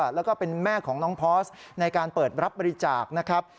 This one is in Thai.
แล้วก็เป็นแม่ของน้องพอร์สในการเปิดรับบริจาคนะครับ